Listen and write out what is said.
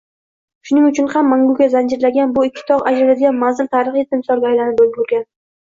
Shuning uchun ham, manguga zanjirlangan bu ikki togʻ ajraladigan manzil tarixiy timsolga aylanib ulgurgan